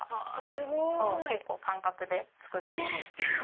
すごい！結構感覚で作ってるんですけど。